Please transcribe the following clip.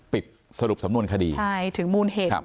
สรุปสำนวนคดีใช่ถึงมูลเหตุครับ